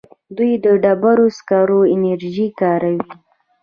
دوی د ډبرو سکرو انرژي کاروي.